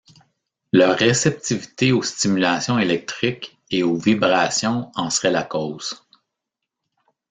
Leur réceptivité aux stimulations électriques et aux vibrations en serait la cause.